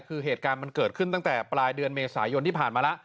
คือเหตุการณ์มันเกิดขึ้นตั้งแต่ปลายเดือนเมษายนที่ผ่านมาแล้ว